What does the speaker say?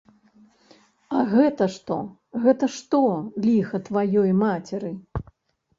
А гэта што, гэта што, ліха тваёй мацеры?